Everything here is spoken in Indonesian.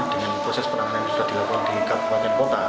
dengan proses penanganan yang sudah dilakukan di kabupaten kota